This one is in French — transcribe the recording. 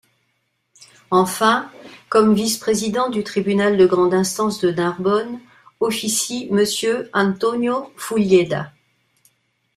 Enfin, comme vice-président du tribunal de grande instance de Narbonne officie Mr Antonio Fulleda.